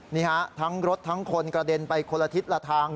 นี่ฮะทั้งรถทั้งคนกระเด็นไปคนละทิศละทาง